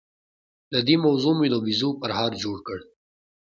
له دې موضوع مو د بيزو پرهار جوړ کړ.